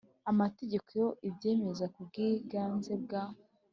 Amategeko ibyemeza ku bwiganze bwa